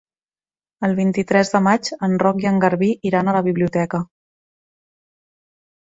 El vint-i-tres de maig en Roc i en Garbí iran a la biblioteca.